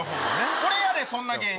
俺やでそんな芸人。